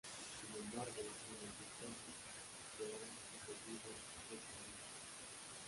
Sin embargo, en el ducado se han sucedido tres familias.